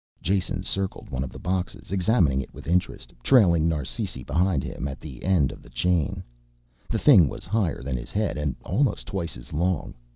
Jason circled one of the boxes, examining it with interest, trailing Narsisi behind him at the end of the chain. The thing was higher than his head and almost twice as long.